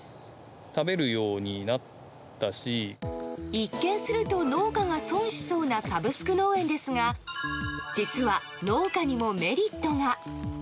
一見すると農家が損しそうなサブスク農園ですが実は、農家にもメリットが。